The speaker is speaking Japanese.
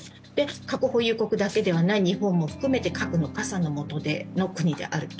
核保有国だけではない日本も含めて核の傘の下の国であると。